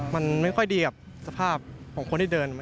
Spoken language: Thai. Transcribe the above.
มันไม่ค่อยดีกับสภาพของคนที่เดิน